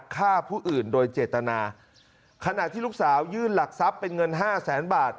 ฆ่าผู้อื่นโดยเจตนาขณะที่ลูกสาวยื่นหลักทรัพย์เป็นเงินห้าแสนบาท